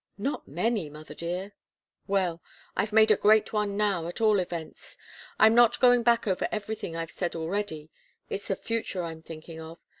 "Not many, mother dear." "Well I've made a great one now, at all events. I'm not going back over anything I've said already. It's the future I'm thinking of.